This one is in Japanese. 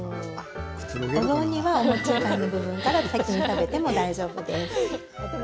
お雑煮はお餅以外の部分から先に食べても大丈夫です。